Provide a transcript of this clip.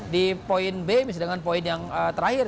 di poin b misalnya dengan poin yang terakhir